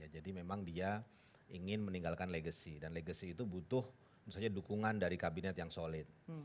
jadi memang dia ingin meninggalkan legacy dan legacy itu butuh dukungan dari kabinet yang solid